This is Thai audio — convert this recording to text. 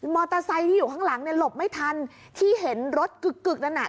มอเตอร์ไซค์ที่อยู่ข้างหลังเนี้ยหลบไม่ทันที่เห็นรถกึกกึกนั่นน่ะ